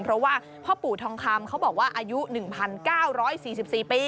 เพราะว่าพ่อปู่ทองคำเขาบอกว่าอายุ๑๙๔๔ปี